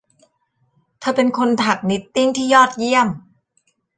เธอเป็นคนถักนิตติ้งที่ยอดเยี่ยม